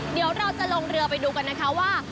เดี๋ยวเราจะลงเรือไปดูกันนะคะว่า